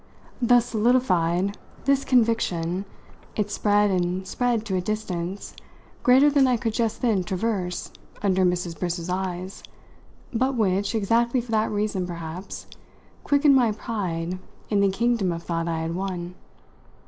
Thus solidified, this conviction, it spread and spread to a distance greater than I could just then traverse under Mrs. Briss's eyes, but which, exactly for that reason perhaps, quickened my pride in the kingdom of thought I had won.